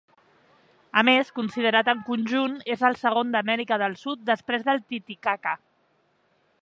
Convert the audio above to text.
A més, considerat en conjunt, és el segon d'Amèrica del Sud, després del Titicaca.